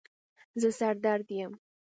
زه سر درد یم